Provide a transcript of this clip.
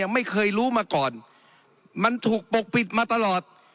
ไม่เคยรู้มาก่อนมันถูกปกปิดมาตลอด